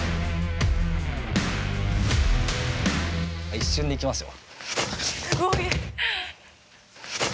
一瞬でいきますよ。